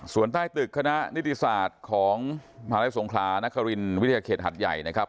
ส่วนใต้ตึกคณะนิติศาสตร์ของมหาลัยสงครานครินวิทยาเขตหัดใหญ่นะครับ